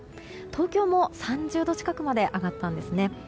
東京も３０度近くまで上がったんですね。